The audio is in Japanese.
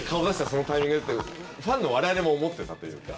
そのタイミングで」ってファンの我々も思ってたというか。